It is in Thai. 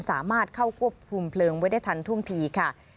สามารถเข้าควบคุมเพลิงไว้ได้ทันท่วงทีค่ะ